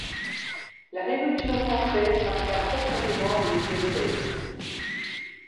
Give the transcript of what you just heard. La Révolution française marqua profondément le diocèse.